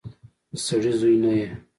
د سړي زوی نه يې.